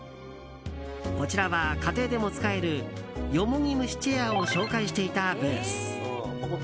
こちらは、家庭でも使えるよもぎ蒸しチェアを紹介していたブース。